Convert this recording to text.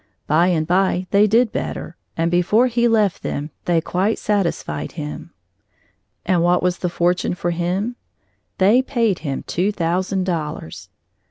By and by they did better, and before he left them, they quite satisfied him. And what was fortunate for him, they had paid him two thousand dollars.